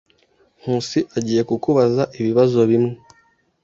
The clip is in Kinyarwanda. Nkusi agiye kukubaza ibibazo bimwe.